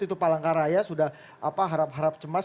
itu palangkaraya sudah harap harap cemas